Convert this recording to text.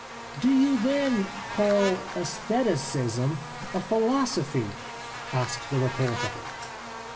"* Do you, then, call '^ sestheticism " a philo sophy ?' asked the reporter.